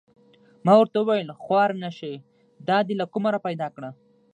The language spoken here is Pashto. ما ورته و ویل: خوار نه شې دا دې له کومه را پیدا کړه؟